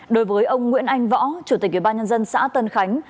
đối với ông nguyễn anh võ chủ tịch ủy ban nhân dân xã tân khánh